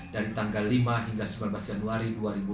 dari tanggal lima hingga sembilan belas januari dua ribu dua puluh